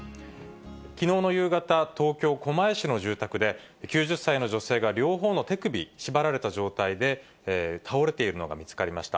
きのうの夕方、東京・狛江市の住宅で、９０歳の女性が両方の手首、縛られた状態で倒れているのが見つかりました。